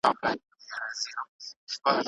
د پښتورګو ناروغان څومره اوبه څښي؟